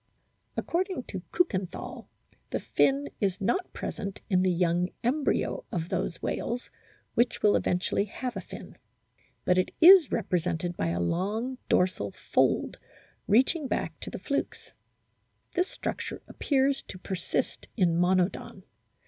According to Kiikenthal the fin is not present in the young embryo of those whales which will eventually have a fin. But it is represented by a long dorsal fold reaching back to the flukes. This structure appears to persist in Monodon.